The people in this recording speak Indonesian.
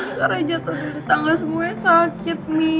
ini karena jatuh dari tangga semuanya sakit mi